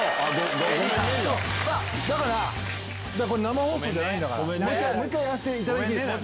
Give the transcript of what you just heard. だから、これ、生放送じゃないんだから、もう一回やらせていただいていいですか。